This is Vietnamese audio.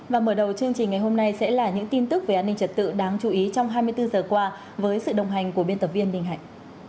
và mở đầu chương trình ngày hôm nay sẽ là những tin tức về an ninh trật tự đáng chú ý trong hai mươi bốn giờ qua với sự đồng hành của biên tập viên đình hạnh